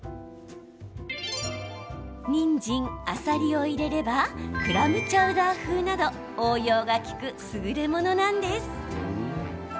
にんじん、あさりを入れればクラムチャウダー風など応用が利く、すぐれものなんです。